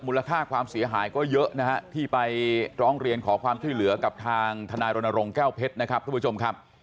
ค่าความเสียหายก็เยอะนะฮะที่ไปร้องเรียนขอความช่วยเหลือกับทางทนายรณรงค์แก้วเพชรนะครับทุกผู้ชมครับ